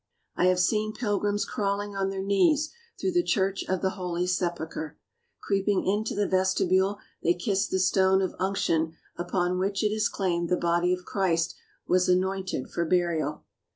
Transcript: I have seen pilgrims crawling on their knees through the Church of the Holy Sepulchre. Creeping into the vestibule, they kiss the Stone of Unction upon which it is claimed the body of Christ was anointed for burial.